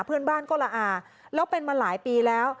เพื่อนบ้านก็ละอาแล้วเป็นมาหลายปีแล้ว